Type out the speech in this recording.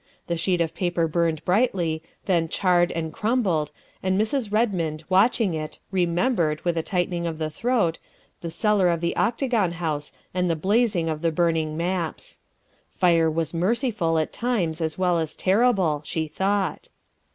The sheet of paper burned brightly, then charred and crumbled, and Mrs. Kedmond, watching it, remembered, with a tightening of the throat, the cellar of the Octagon House and the blaze of the burning maps. Fire was merciful at times as well as terrible, she thought.